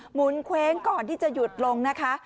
หุนเคว้งก่อนที่จะหยุดลงนะคะ